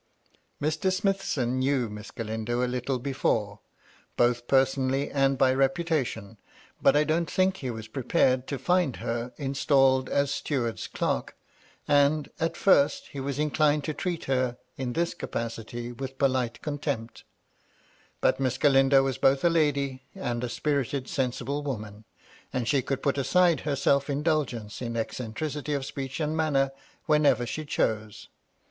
Mr. Smithson knew Miss Galindo a little before, both personally and by reputation ; but I don't think he was prepared to find her installed as steward's clerk, and, at first, he was inclined to treat her, in this capacity, with polite contempt But Miss Galindo was both a lady and a spirited, sensible woman, and she could put aside her self indulgence in eccentricity of speech and manner whenever she chose.